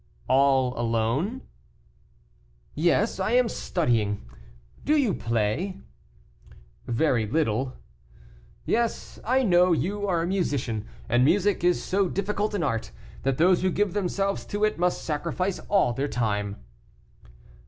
"All alone?" "Yes, I am studying; do you play?" "Very little." "Yes, I know you are a musician, and music is so difficult an art, that those who give themselves to it must sacrifice all their time."